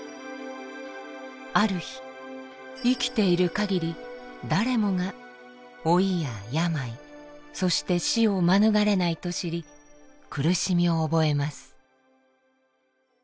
ある日生きているかぎり誰もが老いや病そして死を免れないと知り苦しみを覚えます。